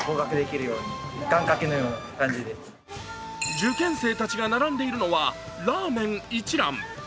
受験生たちが並んでいるのはラーメン一蘭。